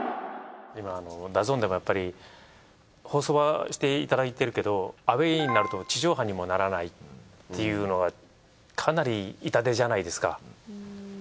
今ＤＡＺＮでもやっぱり放送はしていただいているけどアウェーになると地上波にもならないっていうのがかなり痛手じゃないですか。